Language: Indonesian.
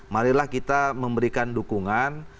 marilah kita memberikan dukungan